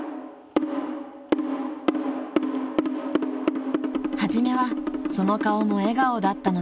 ［初めはその顔も笑顔だったのですが］